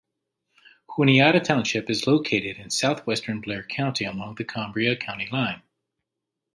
Juniata Township is located in southwestern Blair County, along the Cambria County line.